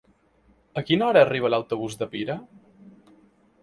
A quina hora arriba l'autobús de Pira?